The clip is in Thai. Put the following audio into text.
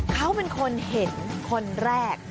เขาเป็นคนเห็นคนแรก